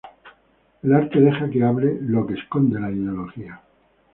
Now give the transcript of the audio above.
El arte deja que hable, "lo que esconde la ideología".